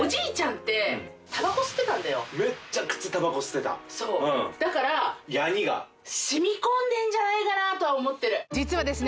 めっちゃくちゃタバコ吸ってたそうだからヤニが染み込んでんじゃないかなと実はですね